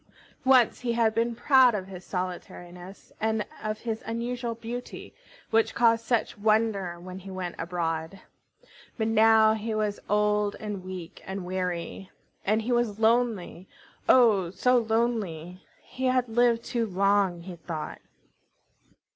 Once he had been proud of his solitariness and of his unusual beauty, which caused such wonder when he went abroad. But now he was old and weak and weary, and he was lonely, oh! so lonely! He had lived too long, he thought.